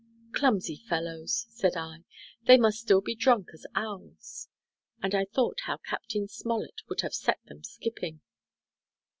"Clumsy fellows," said I; "they must still be drunk as owls." And I thought how Captain Smollett would have set them skipping.